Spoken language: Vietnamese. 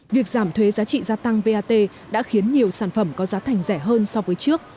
việc giảm thuế giá trị gia tăng vat đã khiến nhiều sản phẩm có giá thành rẻ hơn so với trước